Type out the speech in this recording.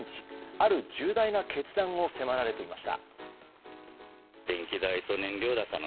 ある重大な決断を迫られていました。